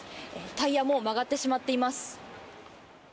タイヤも曲がってしまっています。